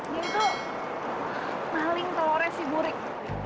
dia itu maling telurnya si burik